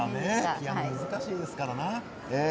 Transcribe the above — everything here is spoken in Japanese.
ピアノ難しいですからね。